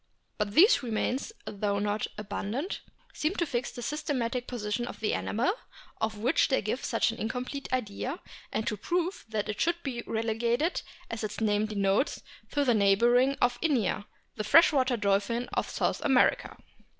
But these remains, though not abundant, seem to fix the systematic position of the animal, of which they give such an incomplete idea, and to prove that it should be relegated, as its name denotes, to the neighbourhood of Inia, the fresh water dolphin of South America.